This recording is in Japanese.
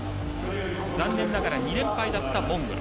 残念ながら２連敗だったモンゴル。